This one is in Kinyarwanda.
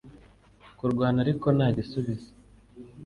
Kurwana Ariko nta gisubizo